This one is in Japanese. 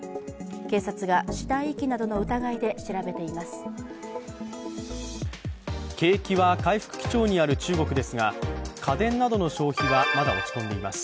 警察が死体遺棄などの疑いで調べています。